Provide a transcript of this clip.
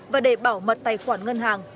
và để bảo mật tài khoản ngân hàng